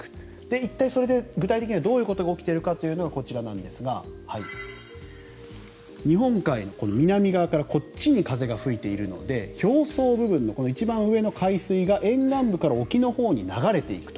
一体それで具体的にはどういうことが起きているかというのがこちら、日本海の南側からこっちに風が吹いているので表層部分の一番上の海水が沿岸部から沖のほうに流れていくと。